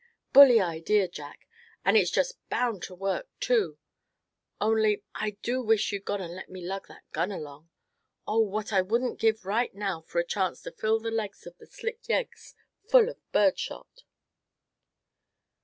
"Bully idea, Jack; and it's just bound to work too; only I do wish you'd gone and let me lug that gun along. Oh! what wouldn't I give right now for a chance to fill the legs of the slick yeggs full of bird shot!"